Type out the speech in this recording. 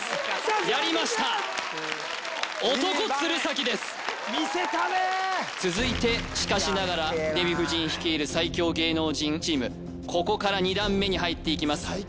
やりました続いてしかしながらデヴィ夫人率いる最強芸能人チームここから２段目に入っていきます